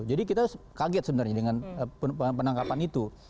jadi kita kaget sebenarnya dengan penangkapan itu